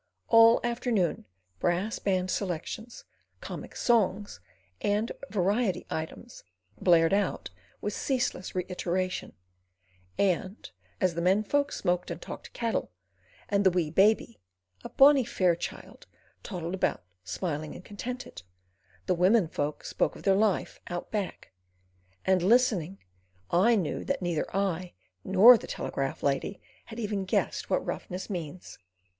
All afternoon brass band selections, comic songs, and variety items, blared out with ceaseless reiteration; and as the men folk smoked and talked cattle, and the wee baby—a bonnie fair child—toddled about, smiling and contented, the women folk spoke of their life "out back," and listening, I knew that neither I nor the telegraph lady had even guessed what roughness means.